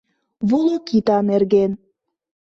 Волокита нерген